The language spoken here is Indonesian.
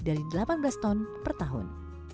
dari delapan belas ton per tahun